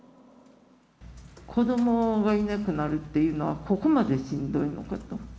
子どもがいなくなるっていうのは、ここまでしんどいのかと。